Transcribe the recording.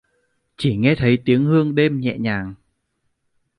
Chỉ nghe thấy tiếng hương đêm nhẹ nhàng